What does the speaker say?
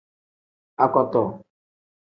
Akoto.